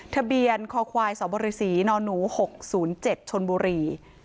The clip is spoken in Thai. ทะเบียนคอควายสบศนหนู๖๐๗ชนบุรี